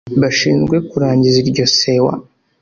bashinzwe kurangiza iryo sewa